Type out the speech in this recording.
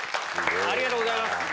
ありがとうございます！